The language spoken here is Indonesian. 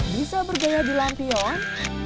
bisa bergaya di lampion